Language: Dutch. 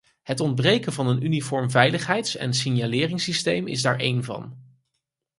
Het ontbreken van een uniform veiligheids- en signaleringssysteem is er daar één van.